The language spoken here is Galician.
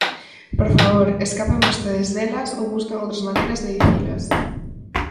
¡Por favor, escapen vostedes delas ou busquen outras maneiras de dicilas!